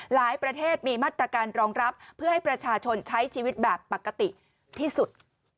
ประเทศมีมาตรการรองรับเพื่อให้ประชาชนใช้ชีวิตแบบปกติที่สุด